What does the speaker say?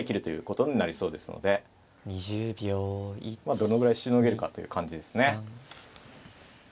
どのぐらいしのげるかという感じですね。